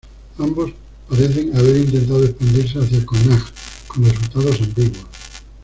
Ambos parecen haber intentado expandirse hacia Connacht, con resultados ambiguos.